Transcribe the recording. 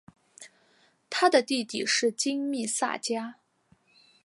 他的弟弟是金密萨加。